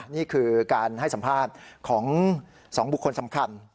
นี่คือการให้สัมภาษณ์ของ๒บุคคลสำคัญ